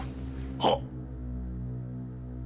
はっ。